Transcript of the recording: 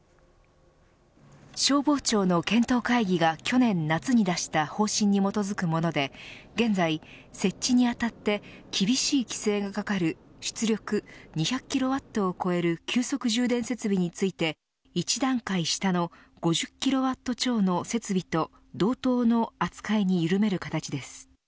消防庁の検討会議が去年夏に出した方針に基づくもので現在、設置にあたって厳しい規制がかかる、出力２００キロワットを超える急速充電設備について一段階下の５０キロワット超の設備と同等の扱いに緩める形です。